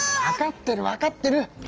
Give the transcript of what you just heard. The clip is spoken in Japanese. わかってるわかってる！